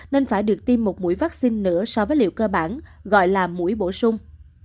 nên phải được tiêm một mũi vaccine nữa so với liệu cơ bản gọi là mũi bổ sung